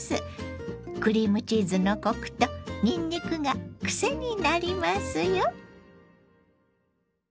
クリームチーズのコクとにんにくが癖になりますよ。